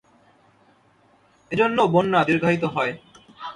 এ জন্যও বন্যা দীর্ঘায়িত হয়।